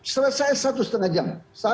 selesai satu lima jam